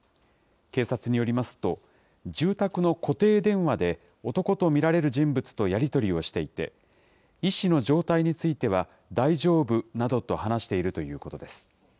警察によりますと、住宅の固定電話で、男と見られる人物とやり取りをしていて、医師の状態については、大丈夫などと話しているということです。